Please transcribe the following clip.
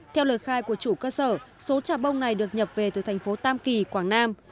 theo lời khai của chủ cơ sở số trà bông này được nhập về từ thành phố tam kỳ quảng nam